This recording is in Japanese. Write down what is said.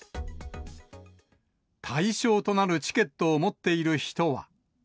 対象となるチケットを持っている人は。